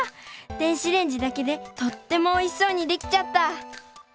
電子レンジだけでとってもおいしそうにできちゃった！